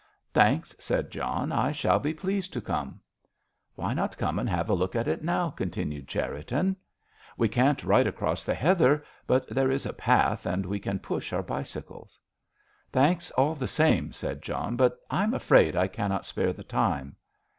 "Thanks," said John; "I shall be pleased to come." "Why not come and have a look at it now?" continued Cherriton. "We can't ride across the heather, but there is a path, and we can push our bicycles." "Thanks all the same," said John, "but I am afraid I cannot spare the time."